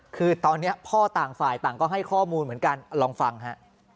คือตอนนี้พ่อต่างฝ่ายต่างก็ให้ข้อมูลเหมือนกันลองฟังฮะ